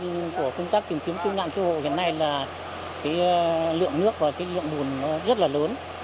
khó khăn nhất của công tác tìm kiếm tương nạn thiêu hộ hiện nay là lượng nước và lượng bùn rất là lớn